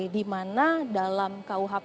di mana dalam kuhp